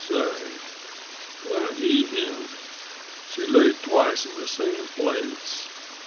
"Say, that he hen she laid twice in the same place!"